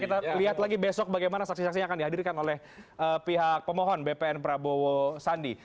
kita lihat lagi besok bagaimana saksi saksi yang akan dihadirkan oleh pihak pemohon bpn prabowo sandi